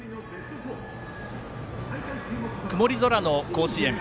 曇り空の甲子園。